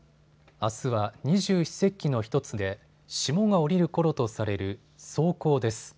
あすは二十四節気の１つで霜が降りるころとされる霜降です。